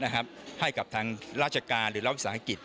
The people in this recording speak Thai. ให้กับทางราชการหรือรัฐวิสาหกิจ